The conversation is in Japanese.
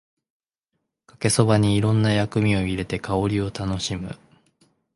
かけそばにいろんな薬味を入れて香りを楽しむ